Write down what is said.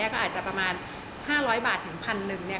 ก็อาจจะประมาณ๕๐๐บาทถึง๑๐๐๐บาท